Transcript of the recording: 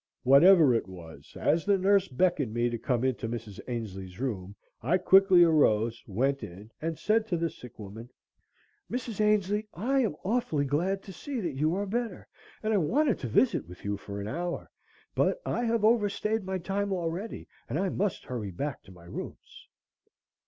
Whatever it was, as the nurse beckoned me to come into Mrs. Ainslee's room, I quickly arose, went in and said to the sick woman: "Mrs. Ainslee, I am awfully glad to see that you are better and I wanted to visit with you for an hour, but I have overstayed my time already and I must hurry back to my rooms."